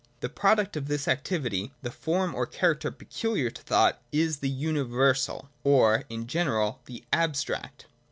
The product of this activity, the form or character pecuhar to thought, is the universal, or, in general, the abstract.